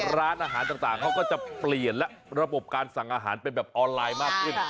ร้านอาหารต่างเขาก็จะเปลี่ยนและระบบการสั่งอาหารเป็นแบบออนไลน์มากขึ้น